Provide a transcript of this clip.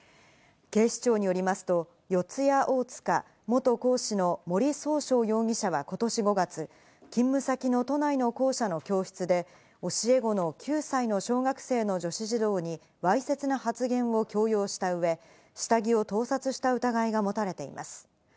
警視庁によりますと、四谷大塚・元講師の森崇翔容疑者はことし５月、勤務先の都内の校舎の教室で、教え子の９歳の小学生の女子児童に、わいせつな発言を強要したうえ、下着を盗撮した疑いが持たれています。